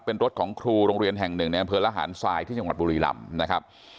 เป็นรถของครูโรงเรียนแห่งหนึ่งในเมื่อวันพระรหาญที่สุดทำหัวปรุธิรัมน์นะครับ